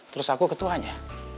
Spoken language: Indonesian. terus aku ketuanya